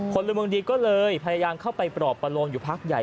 คนละเมืองดีก็เลยพยายามเข้าไปปลอบประโลงอยู่พักใหญ่